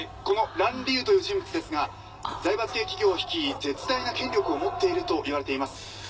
このラン・リウという人物ですが財閥系企業を率い絶大な権力を持っていると言われています。